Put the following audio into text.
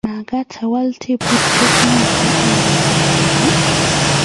Makat awal teputyet notok eng kasarta ni?